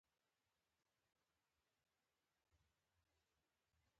کانت وپوښتل له هغه راهیسې به دې ګڼې لوبې کړې وي.